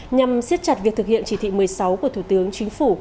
nhằm siết chặt việc thực hiện chỉ thị một mươi sáu của thủ tướng chính phủ